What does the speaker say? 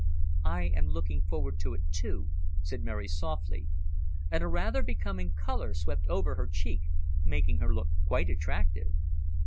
"I am looking forward to it, too," said Mary softly, and a rather becoming colour swept over her cheek, making her look quite attractive.